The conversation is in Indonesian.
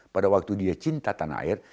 pada waktu dia cinta tanah air